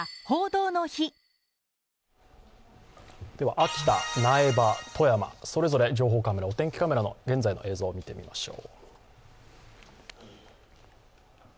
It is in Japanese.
秋田、苗場、富山、それぞれ情報カメラ、お天気カメラの現在の映像を見てみましょう。